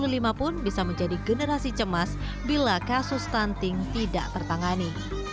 lima pun bisa menjadi generasi cemas bila kasus stunting tidak tertangani